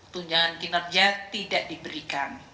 tunjangan kinerja tidak diberikan